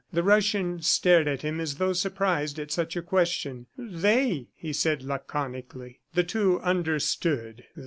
The Russian stared at him as though surprised at such a question. "They," he said laconically. The two understood.